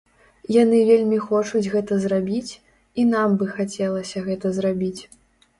Яны вельмі хочуць гэта зрабіць, і нам бы хацелася гэта зрабіць.